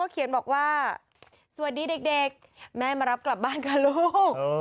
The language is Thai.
เขียนบอกว่าสวัสดีเด็กแม่มารับกลับบ้านค่ะลูก